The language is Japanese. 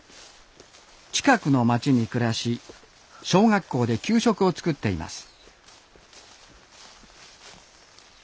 近くの町に暮らし小学校で給食を作っています